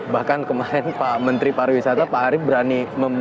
bahkan kemarin pak menteri pemerintah juga bilang ya ini juga kawasan heritage nya di luar sana